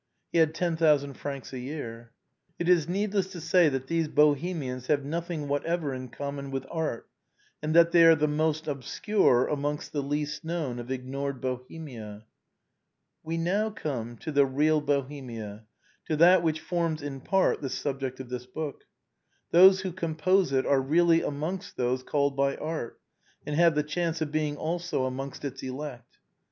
He had ten thousand francs a year. It is needless to say that these Bohemians have nothing whatever in common with art, and that they are the most obscure amongst the least known of ignored Bohemia. We now come to the real Bohemia, to that which forms ilii ORIGINAL PREFACE. in part the subject of this book. Those who compose it are really amongst those called by art, and have the chance of «ing also amongst its elect.